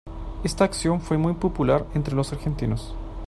Esta acción fue muy popular entre los argentinos.